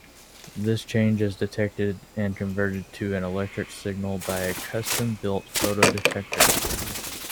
This change is detected and converted to an electric signal by a custom-built photodetector.